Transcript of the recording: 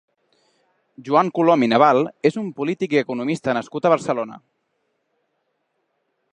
Joan Colom i Naval és un polític i economista nascut a Barcelona.